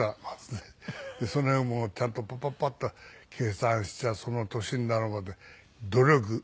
そのへんもちゃんとパパパッと計算しちゃその年になるまで努力。